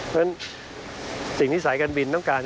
เพราะฉะนั้นสิ่งที่สายการบินต้องการ